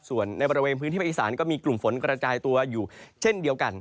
ส่วนในบริเวณพื้นที่ภาคอีสานก็มีกลุ่มฝนกระจายตัวอยู่เช่นเดียวกัน